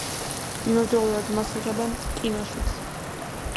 იმავდროულად მას იღებენ კინოშიც.